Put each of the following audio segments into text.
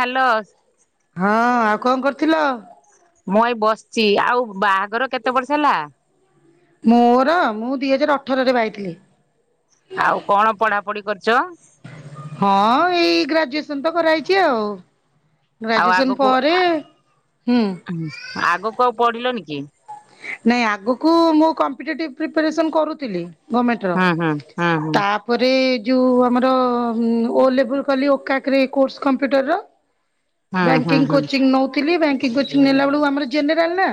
Hello ହଁ ଆ କଣ କରୁଥିଲ? ମୁଁ ଏଇ ବସିଛି ଆଉ ବାହାଘର କେତେ ବର୍ଷ ହେଲା? ମୋର ମୁଁ ଦି ହଜାର ଅଠରରେ ବାହାହେଇଥିଲି। ଆଉ କଣ ପଢାପଢି କରିଛ? ହଁ ଏଇ ଗ୍ରାଜୁଏସନ ତ କରାହେଇଛି ଆଉ। ଆଉ ଗ୍ରାଜୁଏସନ ଆଗକୁ ପରେ ହୁଁ ଆଗକୁ ଆଉ ପଢିଲନି? [unintelligible] ନାଇଁ ଆଗକୁ ମୁଁ କମ୍ପିଟେଟିଭ୍ ପ୍ରିପ୍ଯାରେସନ୍ କରୁଥିଲି। ଗମେଣ୍ଟର ହୁଁ ହୁଁ ହୁଁ ହୁଁ ତାପରେ ଯୋଉ ଆମର‌ ହୁଁ ଓ ଲେବୁଲ କଲି ଓକାକରେ କୋର୍ସ କମ୍ପୁଟରର ହୁଁ ବ୍ୟାଙ୍କିଙ୍ଗ୍ ହୁଁ କୋଚିଙ୍ଗ୍ ନଉଥିଲି ବ୍ୟାଙ୍କିଙ୍ଗ୍ କୋଚିଙ୍ଗ୍ ନେଲା ବେଳକୁ ଆମର୍ ଜେନେରାଲ ନା?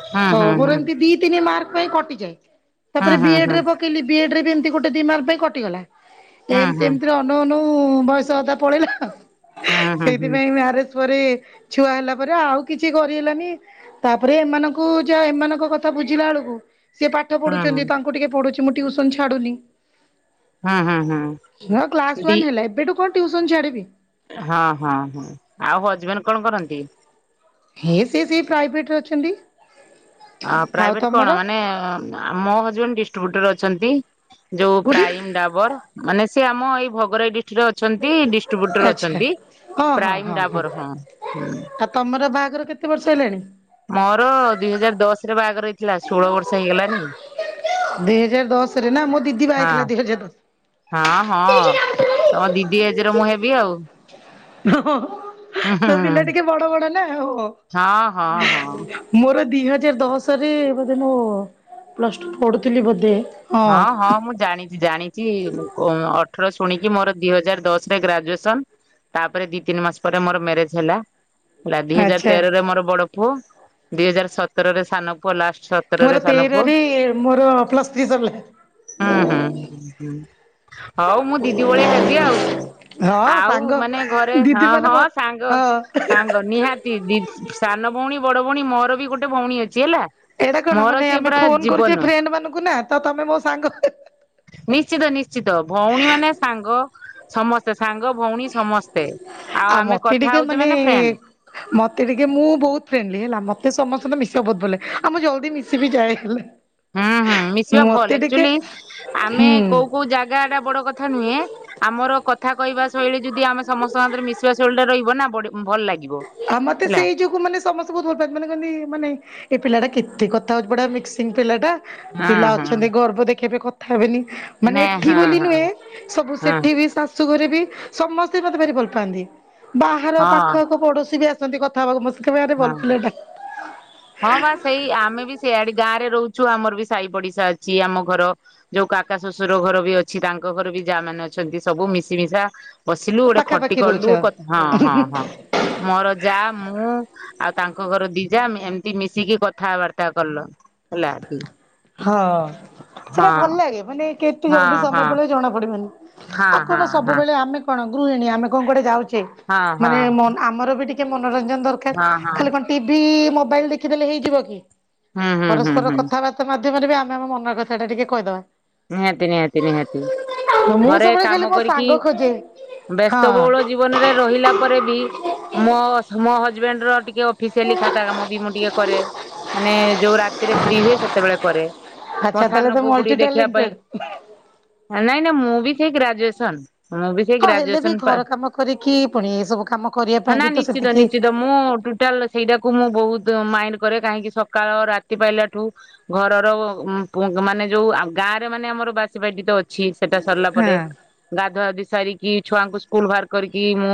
ହୁଁ ହୁଁ ହଉ ହୁଁ ହୁଁ ମୋର ଏମିତି ହୁଁ ଦି ତିନି ମାର୍କ। ପାଇଁ କଟିଯାଏ। ତାପରେ ହୁଁ ବିଏଡ୍ ହୁଁ ହୁଁ ହୁଁ ହୁଁ ରେ ପକେଇଲି ବିଏଡ୍ ରେ। ଏମିତି ଗୋଟେ ଦି ମାାର୍କ ପାଇଁ କଟିଗଲା। ହୁଁ ହୁଁ ଏମତି ଏମିତିରେ ଅନଉ ଉଁ ଉଁ ବୟସ ଅଧା ପଳେଇଲା। ହୁଁ ହୁଁ ହୁଁ। ସେଇଥିପାଇଁ [inaudible] ଛୁଆ ହେଲା ପରେ ଆଉ କିଛି କରିହଲାନି ତାପରେ ଏମାନଙ୍କୁ ଯାହା ଏମାନଙ୍କ କଥା ବୁଝିଲା ବେଳକୁ ସିଏ ପାଠ ପଢୁଛନ୍ତି ତାଙ୍କୁ ଟିକେ ପଢୁଛି ମୁ ଟିଉସନ୍ ଛାଡ଼ୁନି। ହୁଁ ହୁଁ ହୁଁ ହଁ କ୍ଲାସ ଦି ୱାନ୍ ହେଲା ଏବେଠୁ ହ ଟ୍ୟୁସନ ଛାଡ଼ିବି। ହଁ ହଁ ହଁ ଆଉ ହଜବେଣ୍ଡ କଣ କରନ୍ତି? ହେ ସେ ସେ ପ୍ରାଇଭେଟରେ ଅଛନ୍ତି। ଆଉ ପ୍ରାଇଭେଟ ତମର କଣ ମାନେ ମୋ ହଜବେଣ୍ଡ ଡି୍ଷ୍ଟିବ୍ୟୁଟର ଅଛ ଅଛନ୍ତି। ଯୋଉ ବୁଢୀ ପ୍ରାଇମ ଡାବର ମାନେ ସେ ଆମ ଏଇ ଭଗରାଇ ଡିଷ୍ଟ୍ରିକଟ ଅଛି ଡିଷ୍ଟ୍ରିବ୍ୟୁଟର ଆଚ୍ଛା ଅଛନ୍ତି ହଁ ହଁ ପ୍ରାଇମ୍ ହଁ ଡ଼ାବର ହଁ। ଘର କେତେ ବର୍ଷ ହେଲାଣି? ମୋର ଦୁଇ ହଜାର ଦଶ ରେ ବାହାଘର ହେଇଥିଲା ଷୋହଳ ବର୍ଷ ହେଇଗଲାନି। ଦୁଇ ହଜାର ଦଶରେ ନା ମୋ ଦିଦି ବା ହଁ ହେଇଥିଲା ଦୁଇ ହଜାର ଦଶ ହଁ ହଁ ତମ ଦିଦି ଆଜିରେ ମୁଁ ହେବି ଆଉ ହଁ ହଁ। ହୁଁ ତ ହୁଁ ପିଲା ଟିକେ ବଡ ବଡ ନା ହଉ ହଁ ହଁ ହଁ। ମୋର ଦିଇ ହଜାର ଦଶ ରେ ବୋଧେ ମୁଁ ପ୍ଲସ ଟୁ ପଢୁଥିଲି ବୋଧେ ହଁ ହଁ ମୁଁ ଜାଣିଛି ଜାଣିଛି ଶୁଣିକି ମୋର ଦି ହଜାର ଦଶରେ ଗ୍ରାଜୁଏସନ ତାପରେ ଦି ତିନି ମାସ ପରେ ମୋର ମ୍ୟାରେଜ ହେଲା ହେଲା ଦିଇ ହଜାର ଆଚ୍ଛା। ତେରରେ ମୋର ବଡ ପୁଅ ଦିଇ ହଜାର ସତ ରେ ସାନ ପୁଅ ଲାଷ୍ଟ ସତରରେ ମୋର ତେରରେ ମୋର ପ୍ଲସ ଥ୍ରୀ ସ ହଁ ହଉ ମୁଁ ଦିଦି ଭଳିଆ ହେବି ଆଉ ହଁ ଆଉ ସାଙ୍ଗ ମାନେ ଘରେ ଦିଦି ହଁ ମାନେ ବ ହଁ ସାଙ୍ଗ ହଁ ସାଙ୍ଗ ନିହାତି ଦି ସାନ ଭଉଣୀ ବଡ ଭଉଣ ମୋର ବି ଗୋଟେ ଭଉଣୀ ଅଛି। ହେଲା। ଏଇଟା କଣ ମୋର ମାନେ ସିଏ ଆମେ ପୁରା ଫୋନ କରୁଛେ ଜୀବନ ଫ୍ରେଣ୍ଡ ମାନଙ୍କୁ ନା। ତ ତମେ ମୋ ସାଙ୍ଗ। ନିଶ୍ଚିତ ନିଶ୍ଚିତ ଭଉଣୀ ମାନେ ସାଙ୍ଗ ସମସ୍ତେ ସାଙ୍ଗ ଭଉଣୀ ସମସ୍ତେ ଆଉ ଆମେ ମତେ କଥା ଟିକେ ହଉଛେ ମାନେ ଫ୍ରେଣ୍ଡ ମତେ ଟିକେ ମୁଁ ବହୁତ ଫ୍ରେଣ୍ଡଲି ହେଲା ମତେ ସମସ୍ତେଙ୍କ ମି ସ ବହୁତ ଭଲ ଲାଗେ ଆମ ଜଲଦି ମିଶି ବିି ଯାଇ ହେଲେ। ହୁଁ ହୁଁ ମିଶିବା ଭଲ ଏକଚୁଆଲି ଆମେ ହୁଁ କୋଉ କୋଉ ଜାଗା ଟା ବଡ କଥା ନୁହେଁ ଆମର କଥା କହିବା ଶୈଳୀ ଯଦି ଆମେ ସମସ୍ତଙ୍କରେ ମିଶିବା ଶୈଳୀରେ ରହିବ ନା ଭଲ ଲାଗିବ। ଆଉ ମତେ ହେଲା ସେଇ ଯୋଗୁ ମାନେ ସମସ୍ତେ ବହୁତ ଭଲ ପାନ୍ତି ମାନେ କହନ୍ତି ମାନେ ଏ ପିଲା ଟା କେତେ ଠିକ କଥା ହଉଛି ପଡା ମିକ୍ସିଂ ପିଲାଟା ହଁ ପିଲା ହଁ ଅଛନ୍ତି ଗର୍ବ ଦେଖିବେ କଥା ଥାଭିଲି। ନ ମାନେ ଏଠି ହଁ ବୋଲି ହଁ ନୁହେଁ ସବୁ ହଁ ସେଠି ବି ସାସୁ ଘରେ ବି ସମସ୍ତେ ମତେ ଭାରି ଭଲ ପାଆନ୍ତି। ବାହାର ହଁ ପାଖ ପଡୋଶୀ ବି ଆସନ୍ତି କଥା ହବାକୁ ମୋ ଭାରି ହଁ। ଭଲ ପିଲଟା। ହଁ ବା ସେଇ ଆମେ ବି ସେଇଆଡ ଗାଁରେ ରହୁଛୁ ଆମର ବି ସହି ପଡିଶା ଅଛି ଆମ ଘର ଯୋଉ କାକା ଶ୍ୱଶୁର ଘର ବି ଅଛି ତାଙ୍କ ଘର ବି ଯାହା ମାନେ ଅଛନ୍ତି ସବୁ ମିଶି ମିଶା ବସିଲୁ ଗୋଟେ ଖଟି ପାଖାପାଖି କଲୁ ରହୁଛ। ହଁ ହଁ ହଁ ମୋର ଯା ମୁଁ ଆଉ ତାଙ୍କ ଘର ଦିଜା ଏମତି ମିଶିକି କଥାବାର୍ତ୍ତା କଲ ହେଲା। ହଁ। ସେଟା ହଁ ଭଲ ଲାଗେ ମାନେ କେତେ ହଁ ଜଲଦି ସମୟ ହଁ ପଡେଇ ଜଣା ପଡିବନି ହଁ ଆଉ ହଁ କଣ ହଁ ସବୁବେଳେ ଆମେ କଣ ଗୃହିଣୀ ଆମେ କଣ କୁଆଡେ ଯାଉଛ ହଁ ହଁ ମାନେ ଆମର ବି ଟିକେ ମନୋରଞ୍ଜନ ହଁ ଦରକାର ହଁ ଖାଲି କଣ ଟିଭି ମୋବାଇଲ ଦେଖିଦେଲେ ହେଇଯିବ କି। ହୁଁ ହୁଁ ହୁଁ। ପରସ୍ପର ହୁଁ କଥାବାର୍ତ୍ତା। ବି ଆମେ ଆମ ମନ କଥାଟା ଟିକେ କହିଦବା। ନିହାତି ନିହାତି ନିହାତି ମୁଁ ଘରେ ସବୁବେଳେ ଖାଲି କାମ ମୋ କରିକି ସାଙ୍ଗ ଖୋଜେ। ହଁ ବ୍ୟସ୍ତବହୁଳ ଜୀବନରେ ରହିଲା ପରେ ବି ମୋ ମୋ ହଜବେଣ୍ଡର ଟିକେ ଅଫିସିଆଲି ଖାତା କାମ ବି ମୁଁ ଟିକେ କରେ ମାନେ ଯୋଉ ରାତିରେ ଫ୍ରି ହୁଏ ସେତେବେଳେ କରେ ଆଚ୍ଛା ମୋ ତାହେଲେ ସାନ ତ ପୁଅକୁ ମଲ୍ଟି ଟିକେ ଦେଖ [inaudible] ନାଇଁ ନାଇଁ ମୁଁ ବି ଗ୍ରାଜୁଏସନ। ମୁଁ ବି ସେ ହଁ ହେଲେ ବି ଗ୍ରାଜୁଏସନ ଘର ପାସ କାମ କରିକି ପୁଣି ଏ ସବୁ କାମ କରିବା ପାଇଁ ବି ତ ନିଶ୍ଚିତ ସେତିକି ନିଶ୍ଚିତ ମୁଁ ଟୋଟାଲ ସେଇଟାକୁ ମୁଁ ବହୁତ ମାଇଣ୍ଡ କରେ କାହିଁକି ସକାଳ ରାତି ପାଇଲା ଠୁ ଘରର ମାନେ ଯୋଉ ଗାଁରେ ମାନେ ଆମର ବାସି ବାଟି ତ ଅଛି। ଅଛି ସେଟା ସରିଲା ପରେ ହଁ ଗାଧୁଆ ବି ସାରିକି କି ଛୁଆଙ୍କୁ ସ୍କୁଲ ବାହାର କରିକି ମୁଁ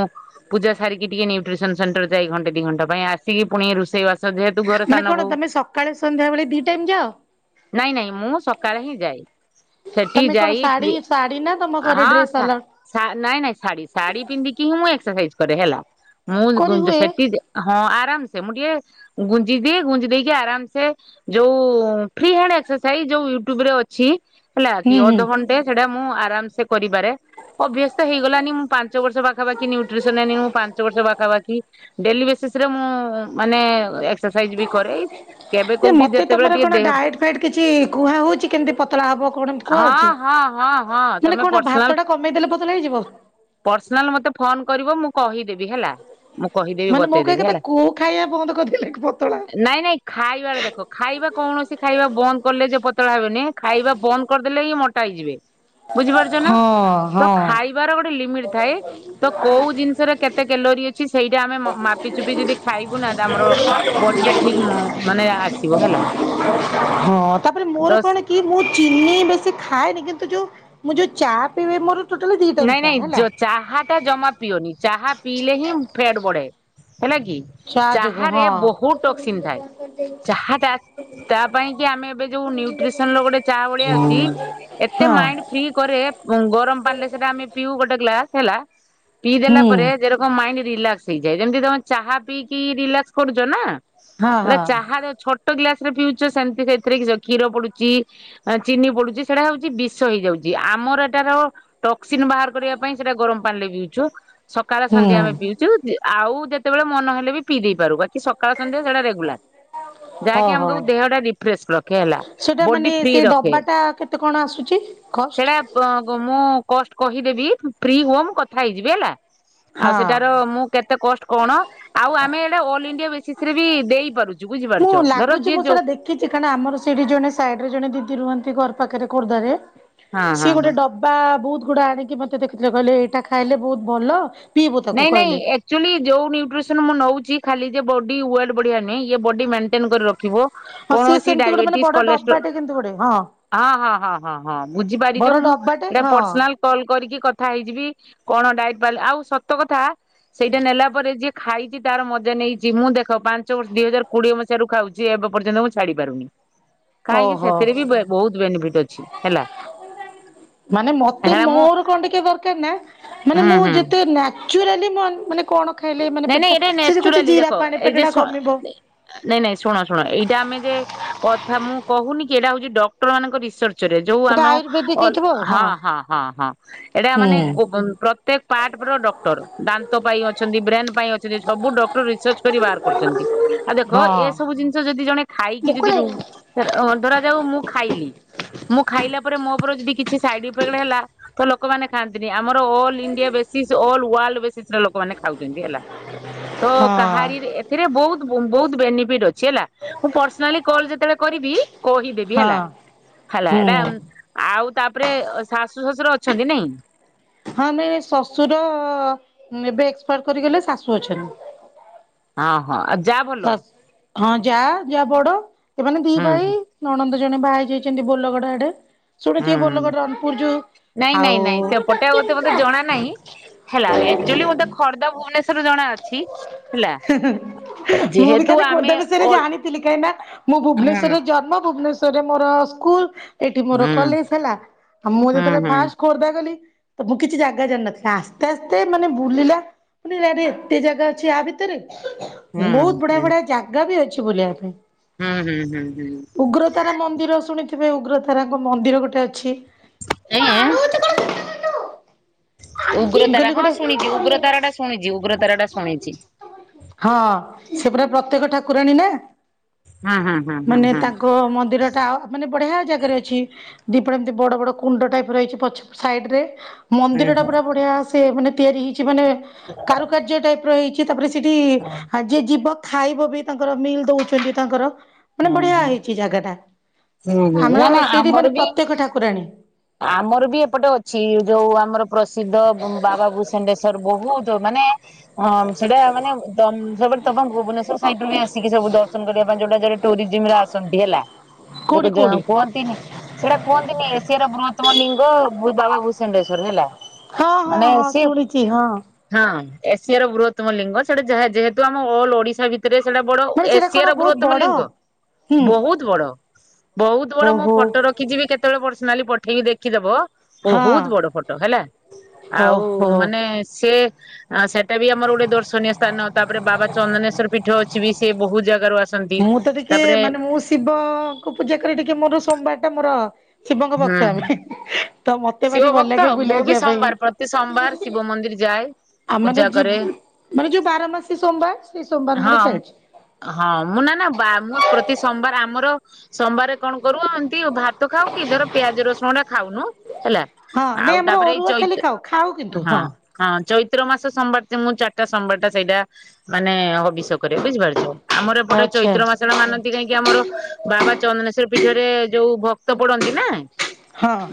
ପୂଜା ସାରିକି ଟିକେ ନ୍ୟୁଟ୍ରିସନ ସେଣ୍ଟର ଯାଇ ଘଣ୍ଟେ ଦି ଘଣ୍ଟା ପାଇଁ ଆସିକି ପୁଣି ରୋଷେଇ ବାସ ଯେହେତୁ ଘରେ ମାନେ ସାନ କଣ ବୋଉ ତମେ ସକାଳେ ସନ୍ଧ୍ୟା ବେଳେ ଦି ଟାଇମ ଯାଅ? ନାଇଁ ନାଇଁ ମୁଁ ସକାଳେ ହିଁ ଯାଏ। ସେଠି ତମେ କଣ ଯାଇ ଶାଢୀ ଫ୍ରି ଶାଢୀ ନା ତମ ଘରେ ହଁ ଡ୍ରେସ ଆଲାଉ ସା ନାଇଁ ନାଇଁ ଶାଢୀ ଶାଢୀ ପିନ୍ଧିକି ମୁଁ ଏକ୍ସରସାଇଜ ଶାଢ଼ୀ ହେଲା। ମୁଁ କରି ଗୁଞ୍ଜେ ହୁଏ? ସେଠି ହଁ ଆରାମସେ। ସେ ମୁଁ ଟିକେ ଗୁଞ୍ଜି ଦିଏ ଗୁଞ୍ଜି ଦେଇକି ଆରାମସେ, ଯୋଉ ଫ୍ରି ହାଣ୍ଡ ଏକ୍ସରସାଇଜ ଯୋଉ ୟୁଟୁବରେ ଅଛି ହେଲା କି ହୁଁ ହୁଁ। ଅଧଘଣ୍ଟେ ସେଇଟା ମୁଁ ଆରାମ ସେ କରିବାରେ ଅଭ୍ୟାସ ତ ହେଇଗଲାନି ମୁଁ ପା ପାଞ୍ଚ ବର୍ଷ ପାଖାପାଖି ନ୍ୟୁଟ୍ରିସନ ହେନିନି ମୁଁ ପାଞ୍ଚ ବର୍ଷ ପାଖାପାଖି ଡେଲି ବେସିସ୍ ରେ ମୁଁ ଉଁ ମାନେ ଏ ଯେ ମତେ ଯେତେବେଳେ ତମର ଟିକେ କଣ ଦେହ ଡାଏଟ ଫାଏଟ କିଛି କୁହା ହଉଛି କେମିତି ପତଳା ହବ କଣ କୁହା ହଉଛି ମାନେ କଣ ଭାତ ପ୍ର଼ଶନାଲ ଟା କମେଇଦେଲେ ପତଳା ହେଇଯିବ? ପ୍ର଼ଶନାଲ ମତେ ଫୋନ କରିବ ମୁଁ କହିଦେବି ହେଲା। ମୁଁ କହିଦେବି ମାନେ ମୋ କହିବା ବତେଇଦେବି କଥା ହେଲା। କୋଉ ଖାଇବା ବନ୍ଦ କରିଦେଲେ ପତଳା ନାଇଁ ନାଇଁ ଖାଇବାରେ ଦେଖ ଖାଇବା କୌଣସି ଖାଇବା ବନ୍ଦ କଲେ ଯେ ପତଳା ହେବନି। ଖାଇବା ବନ୍ଦ କରିଦେଲେ ହିଁ ମୋ ପାଇ ଯିବେ। ବୁଝିପାରୁଛ ନା ହଁ ତ ହଁ। ଖାଇବାର ଗୋଟେ ଲିମିଟ ଥାଏ। ତ କୋଉ ଜିନିଷରେ କେତେ କ୍ୟାଲୋରି ଅଛି ସେଇଟା ଆମେ ମାପି ଚୁପି ଯଦି ଖାଇବୁ ନା ଆମର ବଡି ଟା ଠିକ ମାନେ ଆସିବ ହେଲା ହଁ ତାପରେ ମୋର ତ କଣ କି ମୁଁ ଚିନି ବେଶୀ ଖାଏନି। କିନ୍ତୁ ଯୋଉ ମୁଁ ଯୋଉ ଚା ପିଇବି ମୋର ଟୋଟାଲି ଦି ଟାଇମ୍ସ। ନାଇଁ ନାଇଁ ଯ ଚାହା ଟା ଜମା ପିଅନି। ଚାହା ପିଇଲେ ହିଁ ଫେଟ୍ ବଢେ। [inaudible] ହେଲା କି ଚା ଯୋଗୁ ଚାହାରେ ହଁ। ବହୁତ ଟକ୍ସିନ୍ ଥାଏ। ଚାହାଟା ତା ପାଇଁ କି ଆମେ ଏବେ ଯୋଉ ନ୍ୟୁଟ୍ରିସନ ର ଗୋଟେ ଚା ଭଳିଆ ଅଛି। ଏତେ ହଁ ମାଇଣ୍ଡ୍ ଫ୍ରି କରେ ଗରମ ପାଣିଲେ ପିଉ ଗୋଟେ ଗ୍ଲାସ ହେଲା। ପିଇ ଦେଲା ହୁଁ ପରେ ଜେରକମ ମାଇଣ୍ଡ୍ ରିଲାକ୍ସ ହେଇଯାଏ। ଯେମିତି ତମେ ଚାହା ପିଇକି ରିଲାକ୍ସ କରୁଛ ନା। ହଁ ଏଟା ହଁ ଚାହାର ଛୋଟ ଛୋଟ ଗ୍ଲାସ ରେ ପିଉଛ। ସେମତି ସେଥିରେ କି କ୍ଷୀର ପଡୁଛି, ଚିନି ପଡୁଛି, ସେଇଟା ହଉଛି ବିଷ ହେଇଯାଉଛି। ଆମର ଏଟାର ଟକ୍ସିନ ବାହାର କରିବା ପାଇଁ ସେଇଟା ଗରମ ପାଣିଲେ ପିଉଛୁ। ସକାଳେ ହୁଁ ସନ୍ଧ୍ୟା ଆମେ ପିଉଚୁ। ଆଉ ଯେତେବେଳେ ମନ ହେଲେ ବି ପିଇ ଦେଇପାରୁ। ବା କି ସକାଳ ସନ୍ଧ୍ୟା ସେଟା ରେଗୁଲାର ଯାହାକି ଆମକୁ ଓହୋ। ଦେହଟା ରିଫ୍ରେସ ରଖେ ହେଲା ସେଇଟା ମାନେ ବଡି ଫ୍ରି ସେଇ ରଖେ। ଡବାଟା କେତେ କଣ ଆସୁଛି କଷ୍ଟ? ସେଟା ପ ମୁଁ କଷ୍ଟ୍ କହିଦେବି ଫ୍ରି ହୁଅ ମୁଁ କଥା ହେଇଯିବି ହେଲା। ଆଉ ହଁ। ସେଟାର ମୁଁ କେତେ କଷ୍ଟ୍ କଣ ଆଉ ଆମେ ଏଇଟା ଅଲ୍ ଇଣ୍ଡିଆ ବେସିସ୍ ସେରା ବି ଦେଇ ପାରୁଛି। ମୁଁ ଲାଗୁଛି ମୁଁ ସେଇଟା ଦେଖିଛି କାଣ ଆମର ସେଇଠି ଜଣେ ସାଇଡ଼ରେ ଜଣେ ଦିଦି ରୁହନ୍ତି ଘର୍ ପାଖେରେ ଖୋର୍ଦ୍ଧାରେ। ହଁ ହଁ ସିଏ ହଁ ଗୋଟେ ଡବା ବହୁତ୍ ଗୁଡା ଆଣିକି ମତେ ଦେଖଥିଲେ କହିଲେ ଏଇଟା ଖାଇଲେ ବହୁତ ଭଲ। ପିଇବୁ ତାକୁ ନାଇଁ ନାଇଁ କହିଲେ ଏକ୍ଚୁଆଲି ଯୋଉ ନ୍ୟୁଟ୍ରିସନ୍ ମୁଁ ନଉଛି ଖାଲି [inaudible] ବଡି ୱେଟ୍ ବଢିଆ ନାହିଁ, ଇଏ ବଡି ମେଣ୍ଟେନ୍ କରି ରଖ୍ ରଖିବ, ହଁ ସିଏ କୌଣସି ସେମିତି ଗୋଟେ ମାନେ ଡାଇବେଟିସ୍ ବଡ କୋଲେଷ୍ଟର ଡବାଟେ କିନ୍ତୁ ଗୋଟେ ହଁ। ହଁ ହଁ ହଁ ହଁ ବଡ ବୁଝିପାରିଛ ମୁଁ ଡବାଟେ ଏଟା ହଁ ପର୍ସନାଲ୍ କଲ୍ କରିକି କ କଥା ହେଇଯିବି କଣ ଡାଇଟ୍ ପାଲ୍ ଆଉ ସ ତ କଥା ସେଇଟା ନେଲା ପରେ ଯିଏ। ଖାଇଛି ତାର ମଜା ନେଇଛି ମୁଁ ଦେଖ ପାଞ୍ଚ ବର୍ଷ ଦିଇ ହଜାର କୋଡିଏ ମସିହାରୁ ଖାଉଛି ଏବେ ପର୍ଯ୍ୟନ୍ତ ମୁଁ ଛାଡି ପାରୁନି। କାହିଁକି ସେଥିରେ ଓହୋଃ, ବି ବହୁତ ବେନିଫିଟ ଅଛି ହେଲା ମାନେ ମତେ ହେଲା ମୁଁ ମୋର କଣ ଟିକେ ଦରକାର ନା ମାନେ ହୁଁ ମୁଁ ହୁଁ ଯେତେ ନ୍ୟା ଚୁରାଲି ମନ୍ ମାନେ କଣ ଖା ନାଇଁ ନାଇଁ ଏଇଟା ନ୍ୟାଚୁରାଲି ଦେଖ ଏଇ ପେଟ ଯେ‌ ଟା ଶୁଣ‌ କମିବ ନାଇଁ ନାଇଁ ଶୁଣ ଶୁଣ ଏଇଟା ଆମେ ଯେ ଅ [unintelligible] ମୁଁ କହୁନି କି ଏଇଟା ହଉଛି ଡକ୍ଟରମାନଙ୍କ ରିସର୍ଚ [unintelligible] ଯୋଉ ସେଟା ଆମ ଆୟୁର୍ବେଦିକ ଅଳ୍ ହେଇଥିବ ଆଉ ହଁ ହଁ ହଁ ହଁ ଏଟା ହୁଁ ମାନେ କୋ ପ୍ରତ୍ୟେକ ପାର୍ଟର ଡକ୍ଟର, ଦାନ୍ତ ପାଇଁ ଅଛନ୍ତି ବ୍ରେନ୍ ପାଇଁ ଅଛନ୍ତି ସବୁ ଡକ୍ [inaudible] ରିସର୍ଚ୍ଚ କରି ବାହାର କରିଛନ୍ତି ଆଉ ଦେଖ ହଁ। ଏ ସବୁ ଜିନିଷ ଯଦି ଜଣେ ଖାଇକି ଯଦି ମୁକୁଳା ରୋ ହେଇଗଲା। ଧରାଯାଉ ମୁଁ ଖାଇଲି ମୁଁ ଖାଇଲା ପରେ ମୋ ଉପରେ ଯଦି କିଛି ସାଇଡ୍ ଇଫେକ୍ଟ୍ ହେଲା ତ ଲୋକମାନେ ଖାଆନ୍ତିନି ଆମର all India basis all world ବେସିସରେ ଲୋକମାନେ ଖାଉଛନ୍ତି ହେଲା। ତ ହଁ କାହାରିରେ ଏଥିରେ ବହୁତ୍ ବୋ ବହୁତ ବେନିଫିଟ୍ ଅ ଛି ହେଲା ମୁଁ ପର୍ସନାଲି କଲ୍‌ ଯେ [unintelligible] ବେଳେ କରିବି କହିଦେବି ହଁ ହେଲା, ହେଲା ହୁଁ ଏଟା ଆଉ ତାପରେ ଶାଶ୍ ଶାଶୁ ଶଶୁର ଅଛନ୍ତି ନାଇଁ? ହଁ ନାଇଁ ଶଶୁରଅଅ ଏବେ ଏକ୍ସଫାୟାଡ୍ କରିଗଲେ ଶାଶୁ ଅଛନ୍ତି। ହଁ ହଁ ଆଜ୍ ଯାଆ ଭଲ? ଶାଶୁ ହଁ ଯାଆ ଯାଆ ବଡ। ଏମାନେ ଦି ହୁଁ ଭାଇ ନଣନ୍ଦ [inaudible] ଜଣେ ଭାଇ ଯାଇଛନ୍ତି ବୋଲଗଡ ଆଡେ। ହୁଁ ଶୁଣିଥିବେ ହୁଁ ବୋଲଗଡ ରଣପୁର ଯୋଉ ନାଇଁ ନାଇଁ ନାଇଁ ସେପଟେ ଆଉ ମତେ ଆଉ ଜଣା ନାହିଁ ହେଲା, ଆକ୍ଚୁଆଲି ମତେ ଖୋର୍ଦ୍ଧା ଭୁବନେ ହୁଁ ହୁଁ ହୁଁ ମୁଁ ବି ଯେହେତୁ ଖାଲି ଆମେ ଖୋର୍ଦ୍ଧା ବିଷୟରେ ଅଲ ଜାଣିଥିଲି କାଇଁ ନା ମୁଁ ହୁଁ ଭୁବନେଶ୍ବରରେ ଜନ୍ମ ଭୁବନେଶ୍ [unintelligible] ରେ ମୋର ସ୍କୁଲ୍ ଏଇଠି ହୁଁ ମୋର ହୁଁ ହୁଁ। କଲେଜ ହେଲା ଆଉ ମୁଁ ହୁଁ ଯେତେବେଳେ ହୁଁ ଫାଷ୍ଟ ଖୋର୍ଦ୍ଧା ଗଲି ତ ମୁଁ କିଛି ଜାଗା ଜାଣିିନଥିଲି ଆସ୍ତେ ଆସ୍ତେ ମାନେ ବୁଲିଲା କେତେ ଜାଗା ଅଛି ଆ ଭିତରେ ବହୁତ ବଢିଆ ବଢିଆ ହୁଁ ଜାଗା ବି ଅ କିଛି ବୁଲିବା ପାଇଁ ହୁଁ ହୁଁ ହୁଁ ଉଗ୍ରତାର ମନ୍ଦିର ଶୁଣିିକି ସେଥିପାଇଁ ଉଗ୍ରତାରାଙ୍କ ମନ୍ଦିର ଗୋଟେ ଅଛି। ମୁଁ ନାଇଁ ଉଗ୍ରତାରା କହିଲି ହଁ ଗୋଟେ ଶୁଣିଛି ଉଗ୍ରତାରା ଟା ଶୁଣିଛି ଉଗ୍ର ତାର ଟା ଶୁଣିଛି। ହଁ ସେ ପୁରା ପ୍ରତ୍ୟେକ ଠାକୁରାଣୀ ନା ହଁ ହଁ ହଁ ହଁ ମାନେ ହଁ। ତାଙ୍କ ମନ୍ଦିର ଟା ମାନେ ବଢିଆ ଜାଗାରେ ଅଛି। ଦିପଟା ଏମିତି ବଡ ବଡ କୁଣ୍ଡ ଟାଇପ ରହିଛି ପଛ ସାଇଡ ରେ ହୁଁ ମନ୍ଦିର ଟା ହୁଁ। ପୁରା ବଢିଆ ଆସ ସେ ମାନେ ତିଆରି କି ମାନେ ଟାଇପ ର ହେଇଛି ତାପରେ ସେଠି ଯିଏ ଯବ ଖାଇବ ବି ତାଙ୍କର ମିଲ୍ ଦଉଛନ୍ତି ତାଙ୍କର ମାନେ ହୁଁ ବଢିଆ ହୁଁ ହେଇଛି ଜାଗା ଟା ହୁଁ ହୁଁ ନା ଆମର ନା ସେଇଠି ଆମର ମାନେ ବି ପ୍ରତ୍ୟେକ ଠାକୁରାଣୀ ଆମର ବି ଏପଟେ ଅଛି ଯୋଉ ଆମର ପ୍ରସିଦ୍ଧ ବାବା ଭୂସଣ୍ଡେଶ୍ଵର ବହୁତ ମାନେ ହଁ ସେଟା ମାନେ ସେଟ ତମ ଭୁବନେଶ୍ଵର ସାଇୁ ବି ଆସିକି ସବୁ ଦର୍ଶନ କରିବା ପାଇଁ ଯୋଉଟା ଯୋଟ ଟୁରିଜିମରେ ଆସନ୍ତି ହେଲା କୋଉଠି କୋଉଠି? କୁହନ୍ତିନି ସେଇଟା କୁହନ୍ତିନି ତମ ଲିଙ୍ଗ ବାବା ଭୂସେଣ୍ଡେଶ୍ଵର ହେଲା ହଁ ହଁ ମାନେ ହଁ ସିଏ ଶୁଣିଛି ହଁ। ହଁ ଏସିଆର ବୃହତମ ଲିଙ୍ଗ ସେଟା ଯାହା ଯେହେତୁ ଆମ ଅ ଓଡିଶା ଭିତ ସେଟା ବଡ ମାନେ ସେଇଟା କଣ ଏସିଆର ବହୁତ ବୃହତମ ବଡ? ଲଙ୍ଗ ହୁଁ ବହୁତ ବଡ ବହୁତ ବଡ ମୁଁ ଓହୋ ଫଟୋ ରଖିଯିବି କେତେବେଳେ ବର୍ଷ କାଲି ପଠେଇକି ଦେଖିଦବ ବହୁତ ବଡ ହଁ ଫଟୋ ହେଲା ଆଉ ଓହୋ। ମାନେ ସେ ହଁ ସେଇଟା ବି ଆମର ଗୋଟେ ଦର୍ଶନୀୟ ସ୍ଥାନ ତାପରେ ବାବା ଚନ୍ଦନେଶ୍ଵର ପୀଠ ଅଛି। ବି ସେ ବହୁତ ଜାଗାରୁ ଅସିଛି। ମୁଁ ତ ଟିକେ ମାନେ ମୁଁ ଶିବଙ୍କୁ ପୂଜା କରି ଟିକେ ମୋର ସୋମବାର ଟା ମୋର ଶିବଙ୍କ ହୁଁ ଭକ୍ତ ଆମେ ତ ମତେ ଭାରି ଶିବ ଭଲ ଭକ୍ତ ଲାଗେ ମୁଁ ବୁଲିବାକୁ ବି ଯିବା ପାଇଁ ସୋମବାର ପ୍ରତି ସୋମବାର ଶିବ ମନ୍ଦିର୍ ଯାଏ ଆମ୍ ମାନେ ପୂଜା କରେ ଯିବି ଏଇ ଯୋଉ ବାର ମାସି ସୋମବାର୍ ସେଇ ସୋମବାର୍ ହଁ ମୋର ଚାଲିଛି ହଁ ମୁଁ ନା ନା ବା ମୁଁ ପ୍ରତି ସୋମବାର ଆମର ସୋମବାରେ କଣ କରୁ ଏମିତି ଭାତ ଖାଉ କି ଧର ପିଆଜ ରସୁଣ ଟା ଖାଉନୁ ହେଲା। ହଁ ଆଉ ନାଇଁ ଆମର ତାପରେ ଏଇ ଅରୁଆ ଚୈତ ଖାଲି ଖାଉ ଖାଉ କିନ୍ତୁ ହଁ ତ୍ର ମାସ ସୋମବାର୍ ତା ମୁଁ [inaudible] ଟା ସମ୍ବର ଟା ସେଇଟା ମାନେ ହବିଷ କରେ ବୁଝିପାରୁଛ, ଆମର ଏପଟେ ଆଚ୍ଛା। ଚୈତ୍ର ମାସରେ ମାନନ୍ତି କାହିଁକି ଆମର ବାବା ଚନ୍ଦନେଶ୍ଵର ପୀଠରେ ଯୋଉ ଭ ତ ପୋଡନ୍ତି ନା ହଁ ।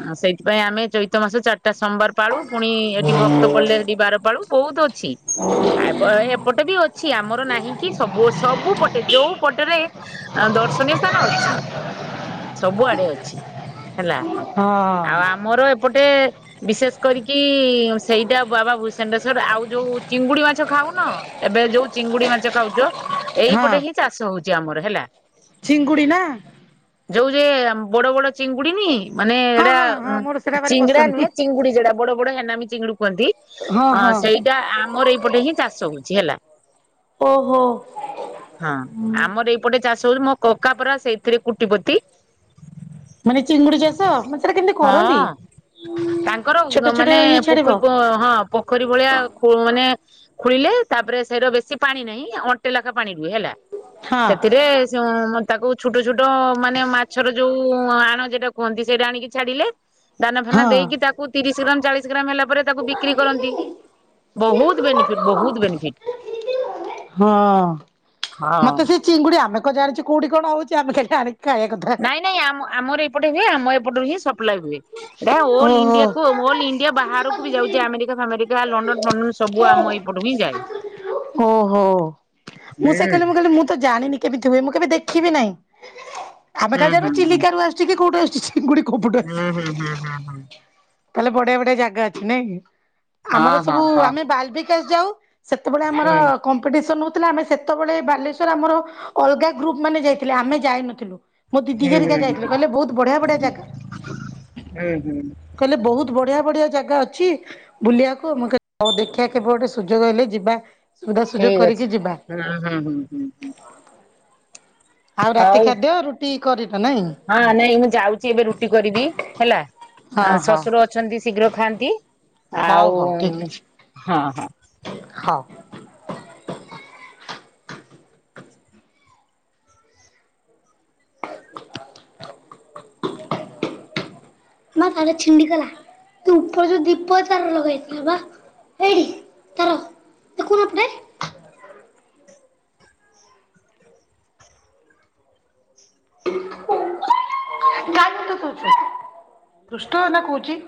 ଆମେ ଚୈିତ ମାସରେ ଚା ଏଟା ସୋମବାର ପାଳୁ ପୁଣି ଏଠି ଭକ୍ତ ପଡିଲେ ଏଠି ବାର ପାଳୁ ବହୁତ ଅଛି ଏପଟେ ବି ଅଛି ଆମର ନାହିଁ କି ସବୁ ସବୁ ପଟେ ଯୋଉ ପଟେରେ ଦର୍ଶନୀୟ ସ୍ଥାନ ଅଛି ସବୁଆଡେ ଅଛି ହେଲା ହଁ ଆଉ ଆମର ଏପଟେ ବିଶେଷ କରିକି ସେଇଟା ବାବା ବ ଭୂଷଣ୍ଡେଶ୍ଵର ଆଉ ଯୋଉ ଚିଙ୍ଗୁଡି ମାଛ ଖାଉନି ଖାଉନ ଏବେ ଯୋଉ ଚିଙ୍ଗୁଡି ମାଛ ଖାଉଛ ହଁ ଏଇପଟେ ହିଁ ଚାଷ ହଉଛି । ଚି ଆମର ହେଲା । ଚିଙ୍ଗୁଡି ନା ଯୋଉ ଯେ ବଡ ବଡ ଚିଙ୍ଗୁଡି ନି ମାନେ ହଁ ଏଇଡା ହଁ ହଁ ମୋର ସେଇଟା ଭାରି ଚିଙ୍ଗଡା ପସନ୍ଦ ନୁହେଁ ଚିଙ୍ଗୁଡି ଯେଟା ବଡ ବଡ ହେନାମି ଚିଙ୍ଗୁଡି କୁହନ୍ତି ହଁ ଅ ହଁ। ସେଇଟା ଆମର ଏଇପଟେ ହିଁ ଚାଷ ହଉଛି ହେଲା। ଓହୋ। ହଁ ଆମର ଏଇପଟେ ଚାଷ ମୋ କକା ପରା ସେଇଥିରେ କୋଟିପତି। ମାନେ ଚିଙ୍ଗୁଡି ଚାଷ? ସେଟା କେମିତି କରନ୍ତି? ହଁ ତାଙ୍କର ଛୋଟ ଛୋଟ ମାନେ ଇଏ ଛାଡିବ ପୋଖରୀ କ ହଁ ପୋଖରୀ ଭଳିଆ ମାନେ ଖୋଳିଲେ ତାପରେ ସେଇର ବେଶୀ ପାଣି ନାହିଁ ଅଣ୍ଟେ ଲେଖା ପାଣି ହେଲା ହଁ ସେଥିରେ ସେ ତାକୁ ଛୋଟ ଛୋଟ ମାନେ ମାଛର ଯୋଉ ଆଣ ଯୋଉଟାକୁ କୁହନ୍ତି ସେଇଟା ଆଣିକି ଛାଡ଼ିଲେ ଦାନା ଫାନା ହଁ। ଦେଇକି ତାକୁ ତିରିଶ ଶ ଗ୍ରାମ୍ ଚାଳିଶ ଗ୍ରାମ୍ ହେଲା ପରେ ତାକୁ ବିକ୍ରି କରନ୍ତି ବହୁତ ବେନିଫିଟ୍ ବହୁତ ବେନିଫିଟ୍ । ହଁ ମତେ ସେ ଚିଙ୍ଗୁଡି ଆମେ କଣ ଜାଣିଛୁ କୋଉଠି କଣ ହଉଛି ଆମେ କାଇଁ ଜାଣିବୁ। ନାଇଁ ନାଇଁ ଆମ ଆମର ଏପଟେ ହୁଏ ଆମ ଏପଟରୁ ହିଁ ସପ୍ଲାଏ ହୁଏ ଏଇଟା ଅଲ୍ ଓହୋ। ଇଣ୍ଡିଆକୁ ଅଲ ଇଣ୍ଡିଆ ବାହାରକୁ ବି ଯାଉଛି ଆମେରିକା ଫାମେରିକା ଲଣ୍ଡନ ଫଣ୍ଡନ ସବୁ ଆମ ଏଇପଟ ହିଁ ଯାଏ ଓହୋ ମୁଁ ସେ ହୁଁ। କହିଲି ମୁଁ କହିଲି ମୁଁ ତ ଜାଣିନି କେମିତି ହୁଏ ମୁଁ କେବେ ଦେଖିବି ନାହିଁ। ଆମେ ହୁଁ ଖାଲି ଜାଣିଛୁ ହୁଁ ହୁଁ ଚିଲିକାରୁ ଆସୁଛି କି କୋଉଠି ଆସୁଚି ହୁଁ ହୁଁ ହୁଁ ହୁଁ ହୁଁ। ତାହେଲେ ବଢିଆ ବଢିଆ ଜାଗା ଅଛି ନାଇଁ କି। ଆମର ହଁ ହଁ ସବୁ ହଁ ଆମେ ବାଲବିକ ଯାଉ ସେତେବେଳେ ଆମର ହୁଁ ହୁଁ କମ୍ପିଟିସନ ହଉଛି। ଆମେ ସେତେବେଳେ ବାଲେଶ୍ୱର ଆମର ଅଲଗା ଗ୍ରୁପ ମାନେ ଯାଇଥିଲେ ଆମେ ଯାଇନଥିଲୁ। ମଁ ଦିଦି ଜର ହୁଁ ଯା ହୁଁ ଯାଇଥିଲି କହିଲେ ବହୁତ ବଢିଆ ବଢିଆ ଜାଗା ହୁଁ ହୁଁ କହିଲେ ବହୁତ ବଢିଆ ବଢିଆ ଜାଗା। ଅଛି। ବୁଲିବାକୁ ଆମ ଦେଖିବା କେବେ ଗୋଟେ ସୁଯୋଗ ହେଲେ ଯିବା। ସୁବିଧା ସୁଯୋଗ ଠିକ ଅଛି କରିକି ଯିବା ହୁଁ ହୁଁ ହୁଁ ହୁଁ ହୁଁ। ଆଉ ରାତି ହଉ ଖାଦ୍ୟ ରୁଟି କରିିବ। ହଁ ନାଇଁ ମୁଁ ଯାଉଛି ଏବେ ରୁଟି କରିବି ହେଲା ହଁ ହଁ ଶଶୁର ଅଛନ୍ତି ଶୀଘ୍ର ଖାଆନ୍ତି। ଆଉ ହଁ ହଁ। ହଁ। [inaudible] ମା ତାର ଛିଣ୍ଡିଗଲା ତ ଉପର ଯୋଉ ଦୀପ ତାର ଲଗେଇାଇଥିଲା ବା ଏଇଠି ତାର କନପ [inaudible] କା ତ କହୁଛୁ ଦୁଷ୍ଟ ନା କହୁଛି।